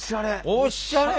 おっしゃれ。